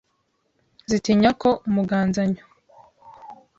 Zitanya ko umuganzanyo